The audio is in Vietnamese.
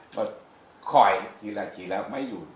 và khỏi thì là chỉ là may dù